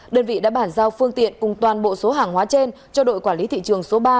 đơn vị đã bản giao phương tiện cùng toàn bộ số hàng hóa trên cho đội quản lý thị trường số ba